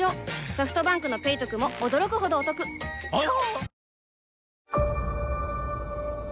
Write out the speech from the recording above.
ソフトバンクの「ペイトク」も驚くほどおトクわぁ！